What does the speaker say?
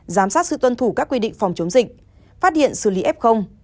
giám sát sự tuân thủ các quy định phòng chống dịch phát hiện xử lý f